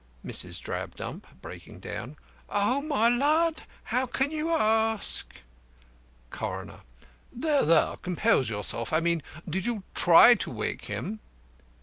MRS. DRABDUMP (breaking down): Oh, my lud, how can you ask? CORONER: There, there, compose yourself. I mean did you try to wake him?